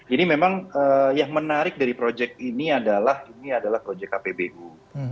ini memang yang menarik dari projek ini adalah projek kpbu